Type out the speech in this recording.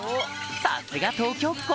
さすが東京っ子